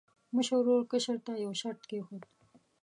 مشر ورور کشر ته یو شرط کېښود.